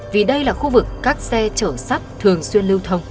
vì đây là khu vực các xe chở sắt thường xuyên lưu thông